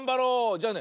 じゃあね